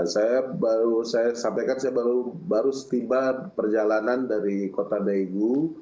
saya baru saya sampaikan saya baru setiba perjalanan dari kota daegu